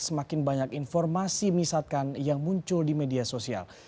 semakin banyak informasi misatkan yang muncul di media sosial